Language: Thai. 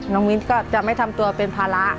มิ้นก็จะไม่ทำตัวเป็นภาระ